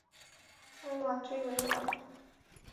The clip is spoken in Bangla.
আমি মাত্রই বেরোলাম।